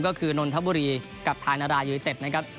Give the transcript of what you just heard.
ก็คือนนทบุรีกับทางนารายูนิเต็ดนะครับ